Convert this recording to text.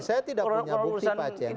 saya tidak punya bukti pak cender